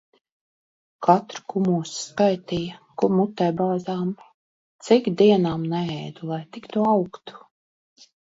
Katru kumosu skaitīja, ko mutē bāzām. Cik dienām neēdu, lai tik tu augtu.